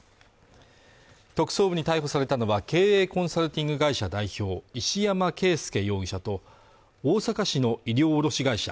特捜部に逮捕されたのは経営コンサルティング会社代表石山恵介容疑者と大阪市の衣料卸会社